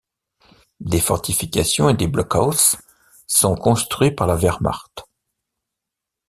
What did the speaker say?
Des fortifications et des blockhaus sont construits par la Wehrmacht.